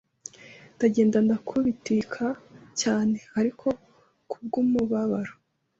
ndagenda ndakubitika cyane ariko kubw’umubabaro